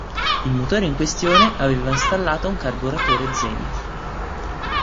Il motore in questione aveva installato un carburatore Zenith.